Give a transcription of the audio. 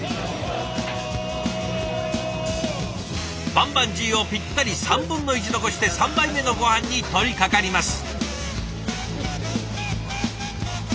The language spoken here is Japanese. バンバンジーをぴったり３分の１残して３杯目のごはんに取りかかります。